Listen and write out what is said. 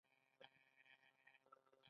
دوی راتلونکي ته هیله مند دي.